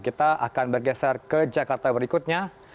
kita akan bergeser ke jakarta berikutnya